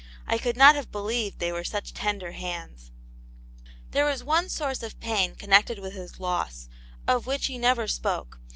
I could not have believed they were such tender hands." There was one source of pain connected with his loss, of which he never spoke.